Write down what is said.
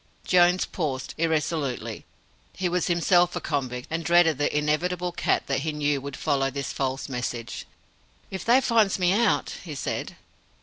Jones paused irresolutely. He was himself a convict, and dreaded the inevitable cat that he knew would follow this false message. "If they finds me out " he said.